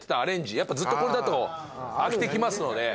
やっぱずっとこれだと飽きてきますので。